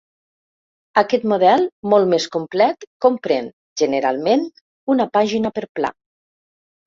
Aquest model, molt més complet, comprèn generalment una pàgina per pla.